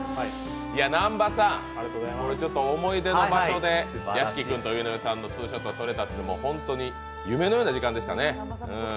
南波さん、思い出の場所で屋敷君と井上さんのツーショット撮れたというのは夢のような時間でしたね。